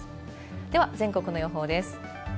では全国の予報です。